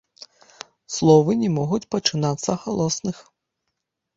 Словы не могуць пачынацца галосных.